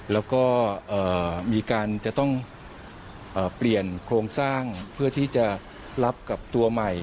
แล้วก็มีการจะต้องเปลี่ยนโครงสร้างเพื่อที่จะรับกับตัวใหม่